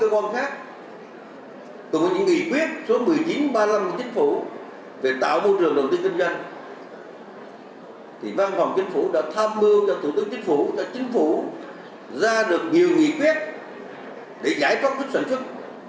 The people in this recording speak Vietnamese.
văn phòng chính phủ đã tham mưu cho thủ tướng chính phủ cho chính phủ ra được nhiều nghị quyết để giải quyết sản xuất